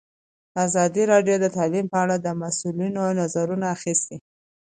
ازادي راډیو د تعلیم په اړه د مسؤلینو نظرونه اخیستي.